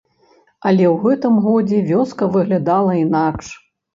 Але ў гэтым годзе вёска выглядала інакш.